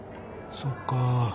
そうかあ。